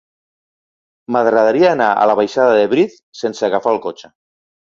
M'agradaria anar a la baixada de Briz sense agafar el cotxe.